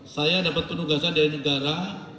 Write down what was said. saya dapat penugasan dari negara